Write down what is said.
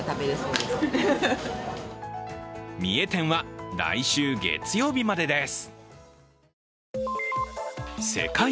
三重展は来週月曜日までです。